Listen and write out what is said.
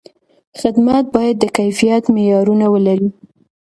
خدمت باید د کیفیت معیارونه ولري.